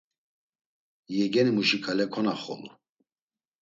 Yegenimuşi ǩale konaxolu.